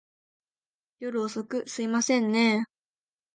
夜遅く、すいませんねぇ。